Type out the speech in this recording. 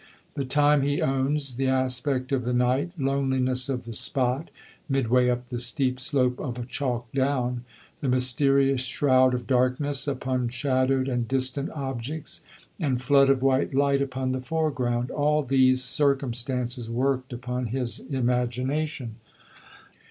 The time, he owns, the aspect of the night, loneliness of the spot (midway up the steep slope of a chalk down), the mysterious shroud of darkness upon shadowed and distant objects and flood of white light upon the foreground all these circumstances worked upon his imagination.